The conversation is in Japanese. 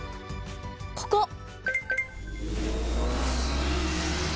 ここ。